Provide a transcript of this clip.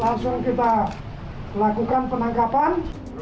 langsung kita melakukan penangkapan